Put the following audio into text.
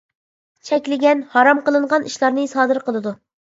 چەكلىگەن، ھارام قىلىنغان ئىشلارنى سادىر قىلىدۇ.